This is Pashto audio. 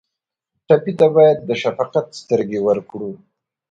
ټپي ته باید د شفقت سترګې ورکړو.